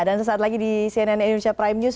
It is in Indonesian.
dan sesaat lagi di cnn indonesia prime news